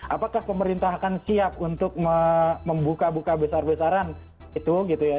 apakah pemerintah akan siap untuk membuka buka besar besaran itu gitu ya